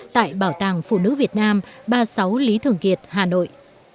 tại bảo tàng phụ nữ việt nam ba mươi sáu lý thường kiệt hà nội